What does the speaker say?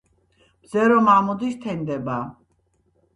მზე რომ ამოდის თენდება!